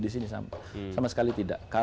di sini sama sekali tidak